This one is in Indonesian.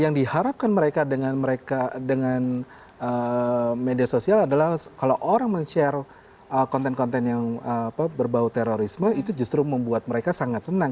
yang diharapkan mereka dengan mereka dengan media sosial adalah kalau orang men share konten konten yang berbau terorisme itu justru membuat mereka sangat senang